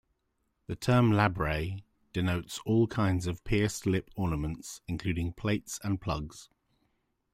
The term labret denotes all kinds of pierced-lip ornaments, including plates and plugs.